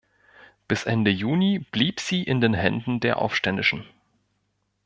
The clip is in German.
Bis Ende Juni blieb sie in den Händen der Aufständischen.